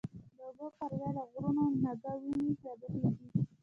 د اوبو پر ځای له غرونو، نګه وینی رابهیږی